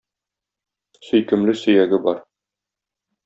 Сөйкемле сөяге бар.